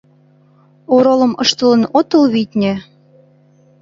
Оролым ыштылын отыл, витне?..